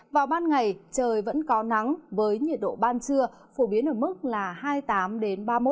vào ban ngày trời vẫn có nắng với nhiệt độ ban trưa phổ biến ở mức là hai mươi tám ba mươi một độ